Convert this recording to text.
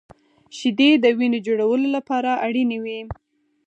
• شیدې د وینې جوړولو لپاره اړینې وي.